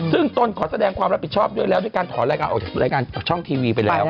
ซึ่งตนขอแสดงความรับผิดชอบด้วยแล้วด้วยการถอนรายการออกจากรายการจากช่องทีวีไปแล้ว